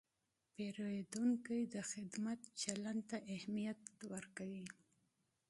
پیرودونکی د خدمت چلند ته اهمیت ورکوي.